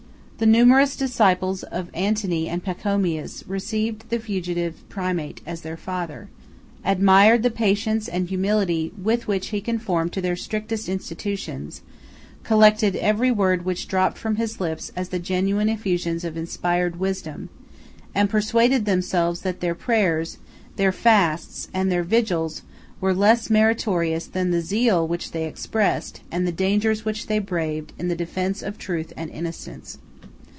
The numerous disciples of Antony and Pachonnus received the fugitive primate as their father, admired the patience and humility with which he conformed to their strictest institutions, collected every word which dropped from his lips as the genuine effusions of inspired wisdom; and persuaded themselves that their prayers, their fasts, and their vigils, were less meritorious than the zeal which they expressed, and the dangers which they braved, in the defence of truth and innocence.